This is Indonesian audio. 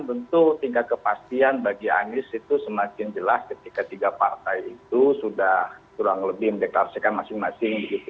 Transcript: tentu tingkat kepastian bagi anies itu semakin jelas ketika tiga partai itu sudah kurang lebih mendeklarasikan masing masing